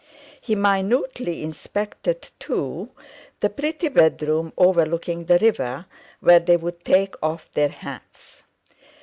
He minutely inspected, too, the pretty bedroom overlooking the river where they would take off their hats.